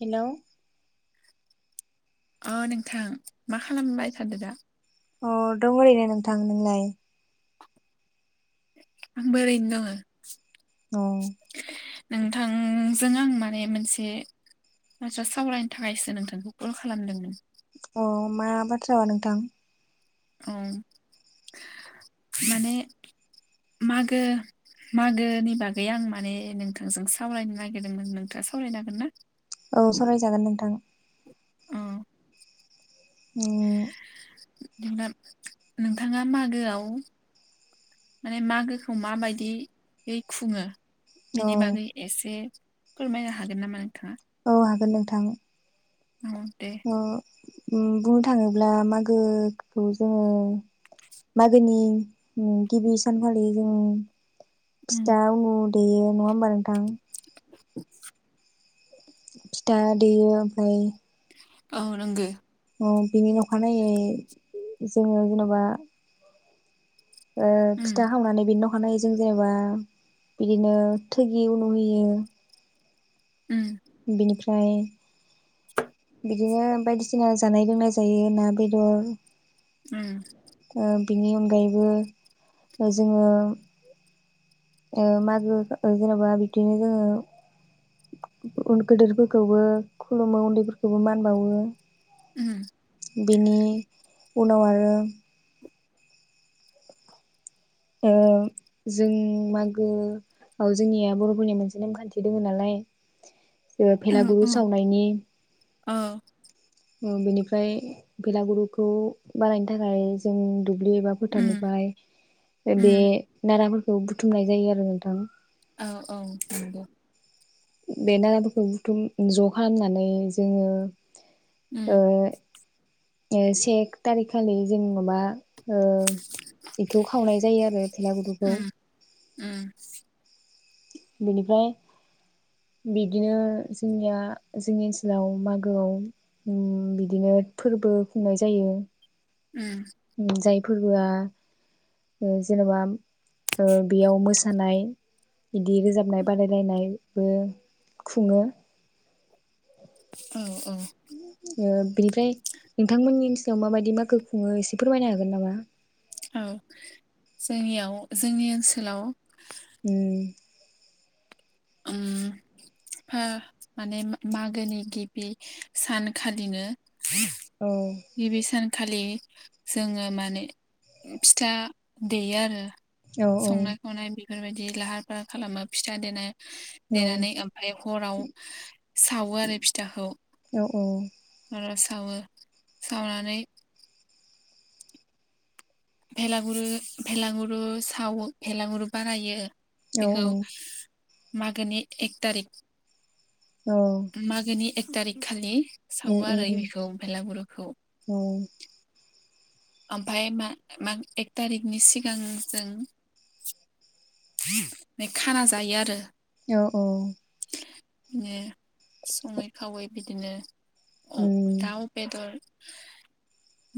Hello अ नोंथां मा खालामबाय थादो दा? अ दं ओरैनो नोंथां नोंलाय? आंबो ओरैनो दङो। [inaudible] नोंथांजों आं माने मोनसे बाथ्रा सावरायनो थाखायसो नोंथांखौ कल खालामदोंमोन। अ मा बाथ्रा नोंथां औ माने मागो मागोनि बागै आं माने नोंथांजों सावरायनो नागिरदोंमोन नोंथाङा सावरायनो हांगोन ना? औ सावरायजागोन नोंथां। अ उम। नोंदा नोंथाङा मागोआव माने मागोखौ मा बायदियै यै खुंङो? औ बिनि बागै एसे फोरमायनो हागोन नामा नों औ हागोन नों थाङो औ दे अ उम बुंनो थाङोब्ला मागोखौ जोङो मागोनि गिबि सानखालि जों उम फिथा उनु बेयो नंङा होमबा नोंथां? [inaudible] फिथा देयो ओमफाय औ नंगो अ बिनि अखानायै जोङो जेन'बा ओ उम फिथा खावनानै बेनि न नानैजों जेनेबा बिदिनो थोगि उनु होयो। उम बिनि फ्राय बिदिनो बायदिसिना जानाय लोंनाय जायो ना बेदर उम। ओ बिनि अनगायैबो जोङो ओ मागो ओ जेनेबा बिब्दिनो जोङो गो गोदोरफोरखौबो खुलुमो उन्दैफोर खौबो मान बावो। उम बेनि उनाव आरो उम जों मागोआव जोंनिया बर'फोरनिया मोनसे नेमखान्थि दोङोनालाय [unintelligible] औ भेलागुरु औ सावनायनि औ ओ बेनिफ्राय भेलागुरुखौ बानायनो थाखाय जों दुब्लि एबा उम फोथारनिफ्राय बे उम नाराफोर बेखौ बुथुमनाय जायो आरो नोंथां औ औ नंगौ बे नाराफोरखौ बुथुम ज' खालामनानै जोङो। उम ओ ओ से टारिकखालि जों माबा ओ बेखौ खावनाय जायो आरो भेला गुरुखौ उम उम बेनिफ्राय बिदिनो जोंनिया जोंनि ओनसोलाव मागोआव उम बिदिनो फोरबो खुंनाय जायो उम जाय फोरबोआ ओ जेन'बा ओ बेयाव मोसानाय बिदि रोजाबनाय बादायलायनायबो खुङो उम उम। ओ बिनिफ्राय नोंथांमोननि ओनसोलाव माबायदि मागो खुङो एसे फोरमायनो हागोन नामा? औ जोंनियाव जोंनि ओनसोलआव उम उम हा माने मा-मागोनि गिबि सानखालिनो औ गिबि सान खालि जोङो माने फिथा देयो आरो। औ संनाय खावनाय बि बेफोरबायदि लाहार फाहार खालामो फिथा देनो औ देनानै ओमफ्राय हराव सावो आरो फिथाखौ। औ औ आव सावो सावनानै भेलागुरु भेलागुरु सावो भेलागुरु बानायो। औ उम बेखौ मागोनि एक थारिख। उम मागोनि एख थारिख खालि सावो आरो बेखौ बेलागुरुखौ औ ओमफ्राय मा मां एक थारिखनि सिगां जों ने खाना जायो आरो। औ औ ने सङै खावै बिदिनो अ दाउ बेदर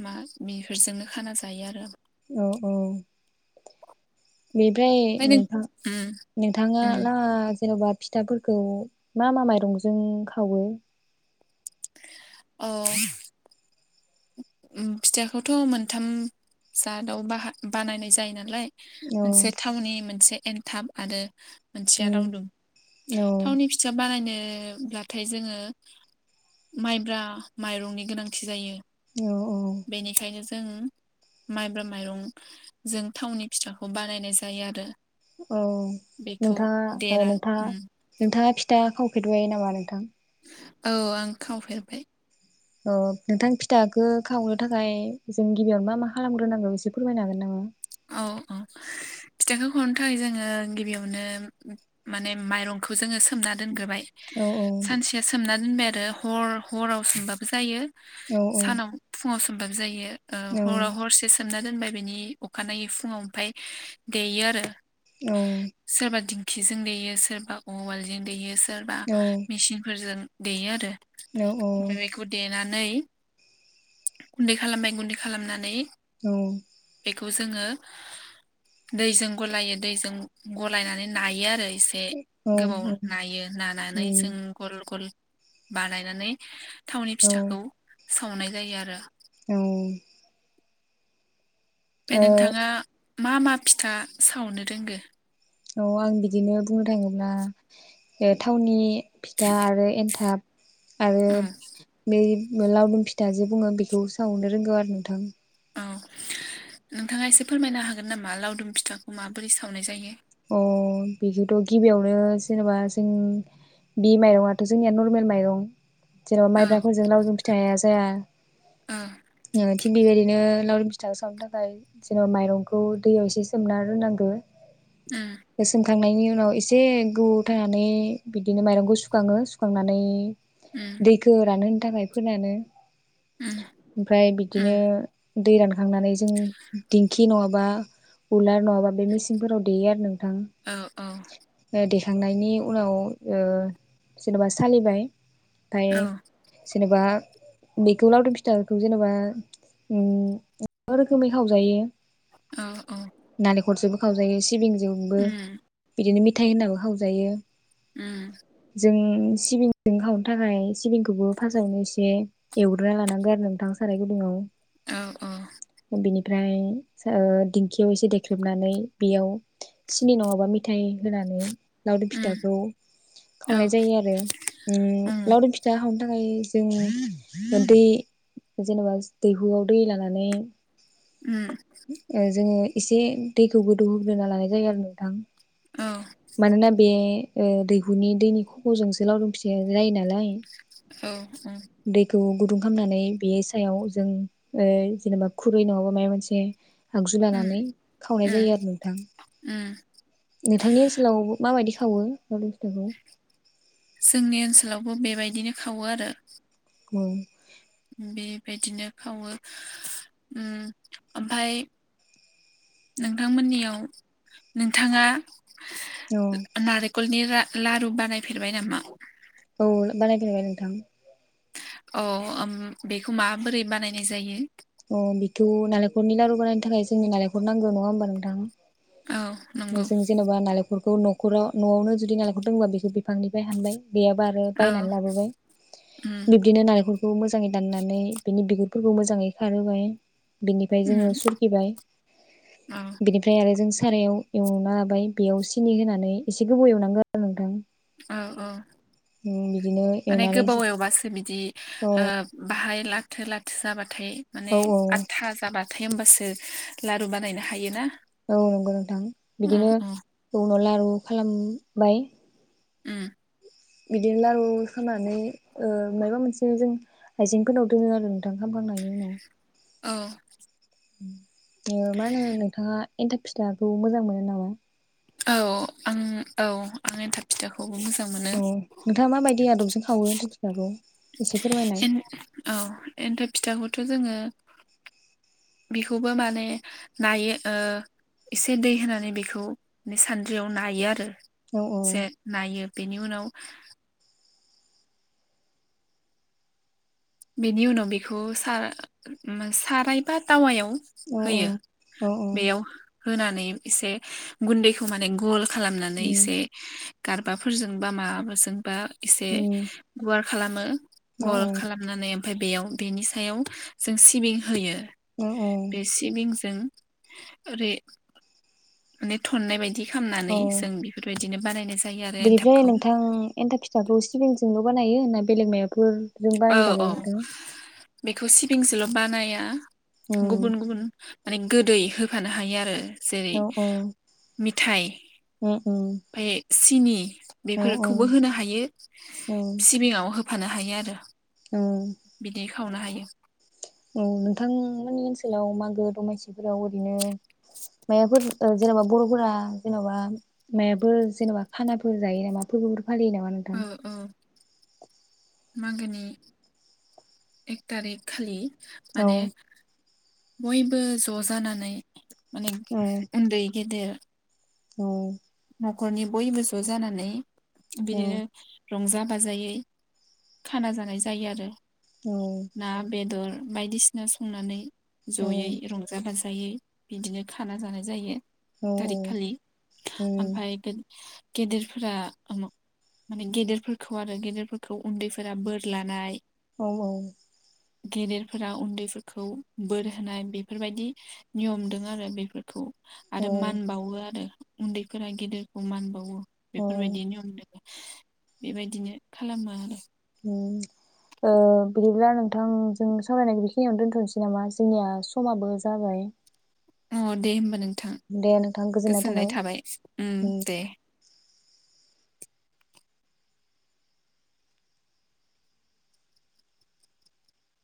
मा बेफोरजोंनो खाना जायो आरो। औ औ बेनिफ्राय ओमफ्राय नों नोंथां उम नोंथाङा उम लास जेन'बा फिथाफोरखौ मा मा माइरंजों खावो अ। उम फिथाखौथ' मोनथाम जादाव बाहा बानायनाय जायो नालाय औ मोनसे थावनि मोनसे एनथाब आरो मोनसेया उम रावदुम औ थावनि फिथा बानायनो ए अब्लाथाय जोङो माइब्रा माइरंनि गोनांथि जायो। औ औ ओं माइब्रा माइरंजों थावनि फिथाखौ बानायनाय जायो आरो। औ बेखौ नोंथाङा ओ देना उम नोंथा-नोंथाङा फिथा खाव? फेदुबाय नाम नोंथां? औ आं खावफेरबाय। औ नोंथां फिथाखो खावनो थाखाय जों गिबियाव मा मा खालामग्रोनांगौ एसे फोरमायनो हागोन नामा? औ औ फिथाखौ खावनो थाखाय जोङो गिबियावनो माने माइरंखौ जोङो सोमना दोनग्रोबाय औ सानसेया सोमना दोनबाय दे हर हराव सोमबाबो जायो। औ सानाव औ फुङावस होमबाबो जायो। औ हराव हरसे सोमना दोनबाय बिनि अखानायै फुङाव ओमफाय देयो आरो औ खिजों देयो सोरबा उवालजों देयो सो सोरबा मेचिनफोरजों देयो आरो न अ नानै गुन्दै खालामबाय गुन्दै खालामनानै औ बेखौ जोङो दैजों गलायो दैजों गलायनानै नायो आरो एसे गोबाव नायो नानानै जों गल गल बानायनानै थावनि फिथाखौ सावनाय जायो आरो। औ नोंथाङा मा मा फिथा सावनो रोंगो? औ आं बिदिनो बुंनो थाङोब्ला ओ टावननि फिथा आरो एन्थाब। आरो औ बे लावदुम फिथा जे बुङो बेखौ सावनो रोंगौ आरो नोंथां। औ नोंथाङा एसे फोरमायनो हागोन नामा लावदुम फिथाखौ माबोरै सावनाय जायो। अ बिदिथ' गिबियावनो जेनेबा जों बि माइरङाथ' जोंनिया नरमेल माइरं जेनेबा औ माइब्राफोरजों लावदुम फिथाया जाया। औ थिक बेबायदिनो लावदुम फिथा सावनो थाखाय जोङो माइरंखौ दैयाव एसे सोमना दोननांगो। ओम खांनायनि उनाव एसे गौ थानानै बिदिनो माइरंखौ सुखाङो सुखांनानै उम दैखो रानो थाखाय फोनानो उम ओमफ्राय उम बिदिनो दै रान थांनानै जों दिंखि नङाबा उलार नङाब्ला बे मिचिनफोराव [unintelligible] औ औ थां [unintelligible] थांनायनि उनाव जेन'बा ओ सालिबाय। ओमफाय औ जेनोबा बेखौ लावदुम फिथाखौ जेनोबा ओम गोबां रोखोमै खावजायो। औ औ गरसेबो खावजायो एसे जेरै जोंबो उम बिदिनो [unintelligible] उम जों सिबिंजों सावनो थाखाय सिबिंखौबो फास्स्टावनो एसे एवग्रोना लानांगौ आरो नोंथां साराय गुदुंआव औ औ बिनिफ्राय ओ दिंखियाव एसे देख्रेबनानै बेयाव सिनि नङाबा मिथाइ होनानै लावदुम उम फिथाखौ औ सावनाय जायो उम लावदुम फिथा बेनि थाखाय जों दै जेनोबा दैहुआव दै लानानै। उम जों। एसे दैखौ गोदौ होग्रोना लानाय जायो आरो नोंथां औ मानोना बे ओ दैहुनि दैनि खफ'जोंसो लावदुम फिथाया जायो नालाय औ ओम। थ गुदुं खालामनानै बे सायाव जों ओ जेनोबा खुरै नङाबा माइबा मोनसे आगजु उम लानानै सावनाय उम जायो आरो थां उम नोंथांनि ओनसोलाव माबायदि सावो जोंनि ओनसोलावबो बेबायदि बिदिनो सावो आरो। औ बेबायदिनो खावो ओम आमफाय नोंथांमोननियाव नोंथाङा औ खरनि रा‌- लारु बानायफेरबाय नामा? औ बानाय फेरबाय नोंथां औ ओम बेखौ माबोरै बानायनाय जायो? अ बेखौ नालेंखरनि लारु बानायनो थाखाय जोंनि नारेंखल नांगौ नङा होनबा नोंथां? औ नंगौ। [unintelligible] न'खरा न'आवनो जुदि नालेंखर दंबा बेखौ बिफांनिफ्राय हानबाय। गैयाबो आरो औ बायनानै लाबोबाय उम बिब्दिनो नालेंखर औ मोज मोजाङै दाननानै बिनि बिगुर फोरखौ मोजाङै खारोबाय। बिनिफ्राय उम जोङो सुरकिबाय औ बिनिफ्राय आरो जों सारायाव एवना लाबाय बेयाव सिनि होनानै एसे गोबाव एवनांगो नोंथां। औ औ उम बिदिनो माने एवनानै गोबाव अ एवबासो बिदि बाहाय ला थो लाथा जाबा थाय माने औ आदथा जाबा थाय होमबासो लारु बानायनो हायोना। औ नोंगौ नोंथां अ बिदिनो अ उनाव लारु खालामबाय। उम। बिदिनो लारु खामनानै ओ माबा मोनसे जों आइजेंफोरनाव दोनो आरो। औ [unintelligible] मा होनो नोंथाङा एन्थाब फिथाखौ मोजां मोनो नामा? औ आं औ आं एनथाब फिथाखौ अ नोंथाङा माबायदि आदबजों खावो एनथाब फिसाखौ। एन्थ औ एनथाब फिथाखौ थ' जोङो बेखौबो माने नायो ओ एसे दै होनानै बेखौ सान्द्रियाव नायो आरो। औ औ से नायो बेनि उनाव बेनि उनाव बेखौ सा सारायबा टावायाव औ होयो औ औ बेयाव होनानै एसे गुन्दैखौ माने गल खालामनानै उम एसे गारबाफोरजोंबा माबाजोंबा एसे उम गुवार खालामो। औ औ नानै ओमफाय बेयाव बेनि सायाव जों सिबिं होयो। औ औ बे सिबिंजों ओरै माने थननाय बायदि खामनानै जों बेफोरबायदि दिनो बारायनाय बिनिफ्राय नोंथां एन्थाब फिथाखौ सिबिंजोंल बोनायो ना बेलेग मायाफोर जों औ औ बानायजाबावो नोंथां? बेखौ सिबिंजोल बानाया। उम गुबुन गुबुन माने गोदै होफानो हायो आरो। जेरै औ औ मिथाइ उम उम फाय सिनि। औ औ बेफोरखौबो होनो हायो औ सिबिङाव होफानो हायो आरो। औ। बिदि खावनो हायो। औ नोंथांमोननि ओनसोलाव मागो दमासिफोराव ओरैनो मायाफोर ओ जेनेबा बर'फोरा जेनमाबा मायाफोर जेनेबा खानाफोर जायो नामा फोरबो फालियो नामा नोंथां। ओ ओ मागोनि एक तारिख खालि औ माने बयबो ज' जानानै माने औ उन्दै गेदेर औ। न'खरनि बयबो ज' जानानै औ बिदिनो। रंजा बाजायै खाना जानाय जायो आरो। औ ना, बेदर बायदिसिना संनानै। औ जयै रंजा बाजा यै बिदिनो खाना जानाय जायो। औ थारिख खालि उम ओमफाय [inaudible] गेदेरफोरा आमाव माने गेदेरफोरखौ आरो गेदेरफोरखौ उन्दैफोरा बोर लानाय। औ औ। गेदेरफोरा उन्दैफोरखौ बोर होनाय बेफोरबायदि नियम दं आरो बेफोरखौ। औ आरो मान बावो आरो। उन्दैफोरा गेदेरखौ मान बावो। औ बेफोरबायदिनो नियम दोङो। बेबायदिनो खालामो आरो। उम ओ बिदिब्ला नोंथांजों सावरायनायखौ बिखिनियावनो दोनथ'नोसै नामा जोंनिया समाबो जाबाय। अ दे होमबा नों थां गोजोननाय थाबाय ओम उम दे।